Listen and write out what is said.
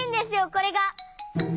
これが。